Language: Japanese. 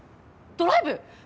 ドライブ？